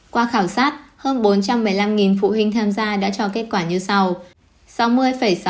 qua khảo sát hơn bốn trăm một mươi năm phụ huynh tham gia đã cho kết quả như sau